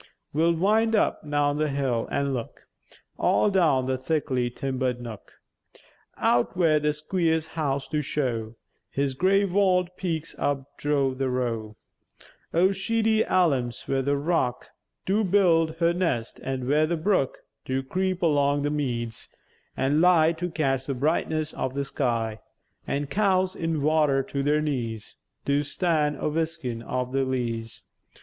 We'll wind up roun' the hill, an' look All down the thickly timber'd nook, Out where the squier's house do show His gray walled peaks up drough the row O' sheädy elems, where the rock Do build her nest; an' where the brook Do creep along the meäds, an' lie To catch the brightness o' the sky; An' cows, in water to theïr knees, Do stan' a whiskèn off the vlees.